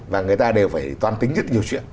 và người ta đều phải toan tính rất nhiều chuyện